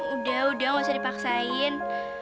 udah udah gak usah dipaksain